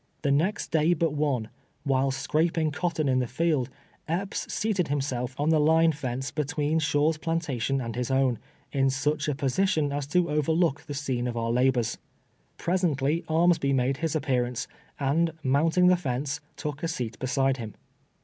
The next day but one, while scraping cot ton in the tield, Kpps seated himself on the line fence EPPS' SUSPICIONS. 233 between Slunv's plantation and his own, in sncli a po sition as to ovL'i'look the scene of onr hibors. Pres ently Armsby made his appearance, and, mounting the fence, took a seat beside him.